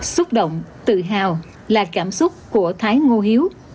xúc động tự hào là cảm xúc của thái ngô hiếu